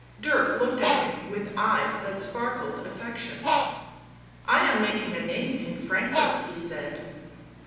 Dirk looked at him with eyes that sparkled affection. " I am making a name in Frankfort," he said.